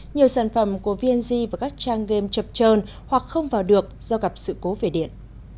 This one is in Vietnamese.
nhiều sản phẩm của vnz và các trang game chập trơn hoặc không vào được do gặp sự cố về điện